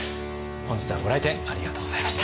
本日はご来店ありがとうございました。